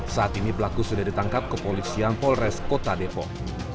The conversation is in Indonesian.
saat ini pelaku sudah ditangkap ke polisi yang polres kota depok